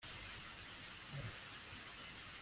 rero uranyiteho, mubyeyi